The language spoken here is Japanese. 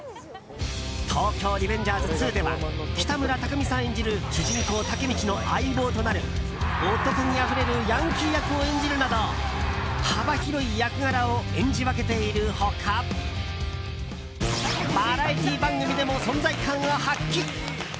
「東京リベンジャーズ２」では北村匠海さん演じる主人公タケミチの相棒となる男気あふれるヤンキー役を演じるなど幅広い役柄を演じ分けている他バラエティー番組でも存在感を発揮。